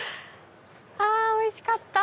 あおいしかった！